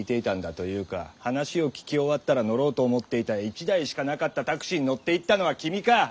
というか話を聞き終わったら乗ろうと思っていた１台しかなかったタクシーに乗っていったのは君かッ！